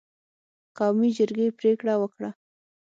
قومي جرګې پرېکړه وکړه